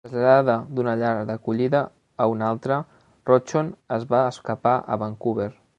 Traslladada d'una llar d'acollida a una altra, Rochon es va escapar a Vancouver.